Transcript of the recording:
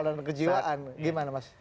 dan kejiwaan gimana mas